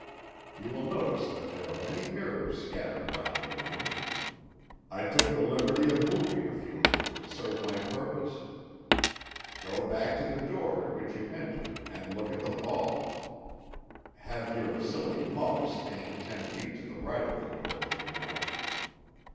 You will notice that there are many mirrors scattered around the room. I took the liberty of moving a few of them to serve my purpose. Go back to the door at which you entered and look at the vault. Have your silly Muggs stand ten feet to the right of the door to the room.